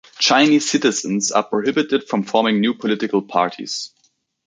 Chinese citizens are prohibited from forming new political parties.